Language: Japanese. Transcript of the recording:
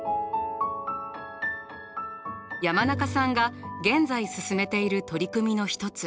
山中さんが現在進めている取り組みの一つ